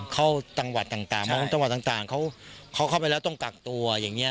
เข้าจังหวัดต่างต่างเพราะว่าจังหวัดต่างต่างเขาเข้าไปแล้วต้องกักตัวอย่างเงี้ย